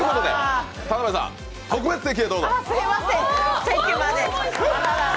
田辺さん、特別席へどうぞ。